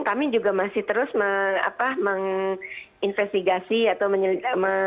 kami juga masih terus menginvestigasi atau menyelidiki